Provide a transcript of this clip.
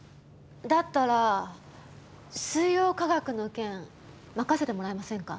だったらスイヨウカガクの件任せてもらえませんか？